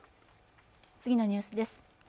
次のニュースです